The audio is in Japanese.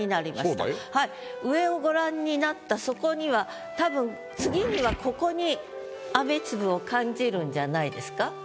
上をご覧になったそこにはたぶん次にはここに雨粒を感じるんじゃないですか？